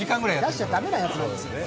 出しちゃだめなやつなんですよ。